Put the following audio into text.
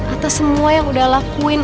atas semua yang udah lakuin